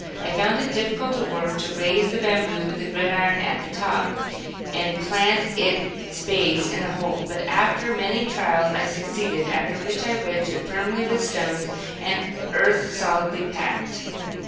I found it difficult work to raise the bamboo with the gridiron at the top, and plant its base in the hole, but, after many trials, I succeeded, after which I wedged it firmly with stones and earth solidly packed.